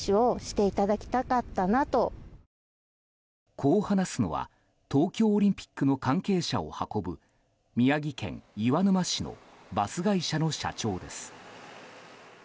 こう話すのは東京オリンピックの関係者を運ぶ宮城県岩沼市のバス会社の社長です。